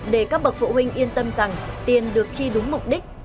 để các bậc phụ huynh yên tâm rằng tiền được chi đúng mục đích